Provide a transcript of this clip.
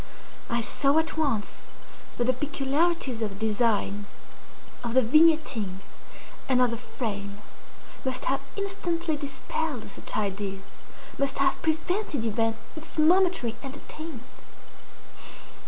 I saw at once that the peculiarities of the design, of the vignetting, and of the frame, must have instantly dispelled such idea—must have prevented even its momentary entertainment.